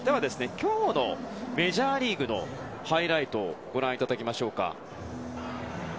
今日のメジャーリーグのハイライトをご覧いただきましょう。